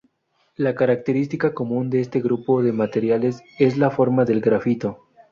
La característica común de este grupo de materiales es la forma del grafito.